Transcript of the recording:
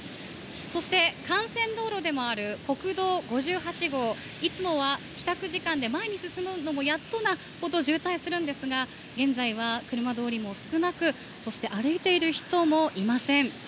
そして、幹線道路でもある国道５８号いつもは帰宅時間で前に進むのがやっとなほど渋滞するんですが現在は車通りも少なくそして歩いている人もいません。